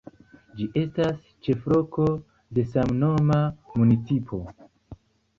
Ĝi estas ĉefloko de samnoma municipo.